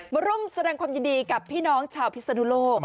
มาร่วมแสดงความยินดีกับพี่น้องชาวพิศนุโลก